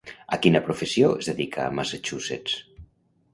A quina professió es dedica a Massachusetts?